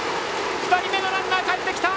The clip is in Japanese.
２人目のランナーがかえってきた。